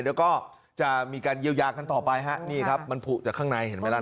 เดี๋ยวก็จะมีการเยียวยากันต่อไปฮะนี่ครับมันผูกจากข้างในเห็นไหมล่ะ